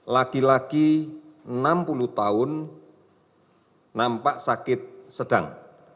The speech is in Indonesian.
lima puluh satu laki laki enam puluh tahun nampak sakit sedang